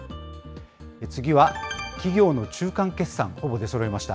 次は企業の中間決算、ほぼ出そろいました。